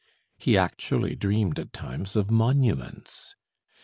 He actually dreamed at times of monuments.